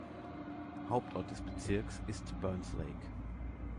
Hauptort des Bezirks ist Burns Lake.